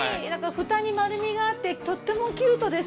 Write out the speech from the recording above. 蓋に丸みがあってとってもキュートです。